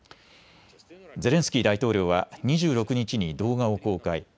ゼレンスキー大統領は２６日に動画を公開。